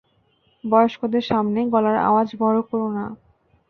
বয়স্কদের সামনে গলার আওয়াজ বড় করো না।